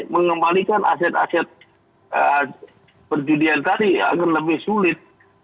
mengembalikan aset aset perjudian tadi agar lebih sulit